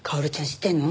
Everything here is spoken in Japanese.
知ってるの？